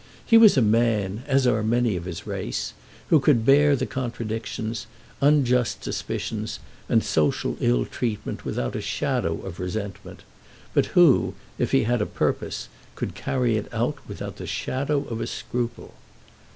He was a man, as are many of his race, who could bear contradictions, unjust suspicions, and social ill treatment without a shadow of resentment, but who, if he had a purpose, could carry it out without a shadow of a scruple.